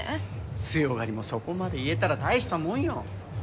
強がりもそこまで言えたら大したもんよ。